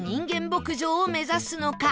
牧場を目指すのか